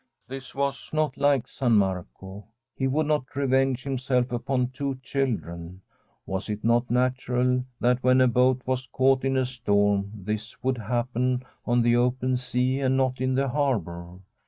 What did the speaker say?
This was not like San Marco. He would not revenge himself upon two children. Was it not natural that when a boat was caught in a storm this would happen on the open sea and not in the harbour?